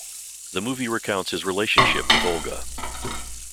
The movie recounts his relationship with Olga.